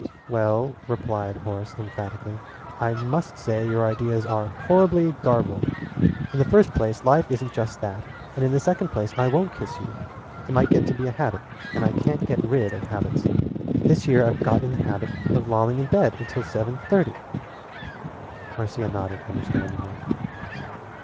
"Well," replied Horace emphatically, "I must say your ideas are horribly garbled! In the first place life isn't just that, and in the second place. I won't kiss you. It might get to be a habit and I can't get rid of habits. This year I've got in the habit of lolling in bed until seven thirty " Marcia nodded understandingly.